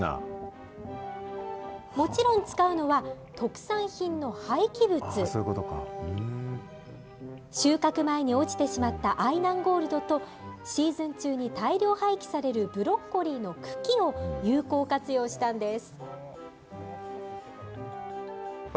もちろん使うのは、特産品の廃棄物。収穫前に落ちてしまった愛南ゴールドと、シーズン中に大量廃棄されるブロッコリーの茎を、有効活用したんです。